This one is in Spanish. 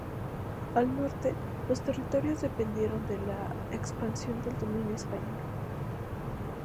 Al norte, los territorios dependieron de la expansión del dominio español.